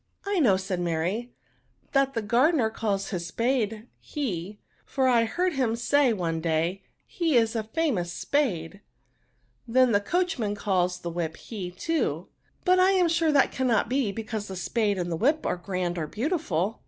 "" I know," said Mary, *' that the gar dener calls his spade he ; for I heard him say, one day, he is a famous spade; then the coachman calls his whip he^ too ; but I am sure that cannot be, because the spade and the whip are grand or beautiful.